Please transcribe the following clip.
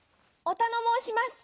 おたのもうします！」。